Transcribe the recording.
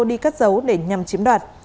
đi cắt dấu để nhằm chiếm đoạt